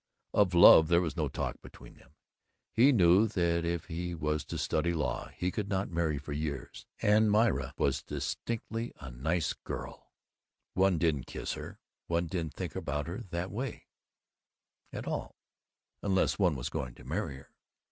Of love there was no talk between them. He knew that if he was to study law he could not marry for years; and Myra was distinctly a Nice Girl one didn't kiss her, one didn't "think about her that way at all" unless one was going to marry her.